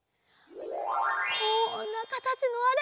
こんなかたちのあれ。